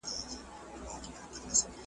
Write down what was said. پېریانو ته کوه قاف څشي دی؟ `